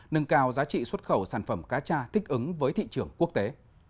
nâng cao giá trị xuất khẩu sản phẩm cá cha thích ứng với thị trường quốc tế